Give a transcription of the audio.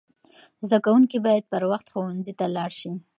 زده کوونکي باید پر وخت ښوونځي ته لاړ سي.